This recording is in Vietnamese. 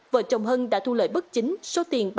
vợ chồng hân đã thu lợi bức chính số tiền ba